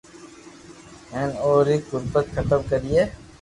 ھين اپو ري غربت ختم ڪرئي